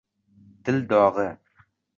Dil dog’i.